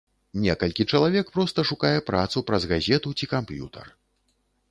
Некалькі чалавек проста шукае працу праз газету ці камп'ютар.